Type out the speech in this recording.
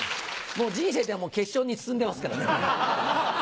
人生では決勝に進んでますからね。